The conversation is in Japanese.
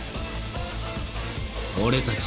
俺たちに。